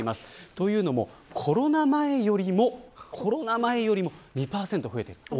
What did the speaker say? というのも、コロナ前よりも２％増えている。